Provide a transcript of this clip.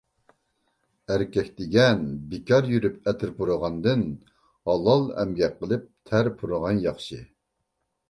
ئەركەك دېگەن بىكار يۈرۈپ ئەتىر پۇرىغاندىن، ھالال ئەمگەك قىلىپ تەر پۇرىغان ياخشى.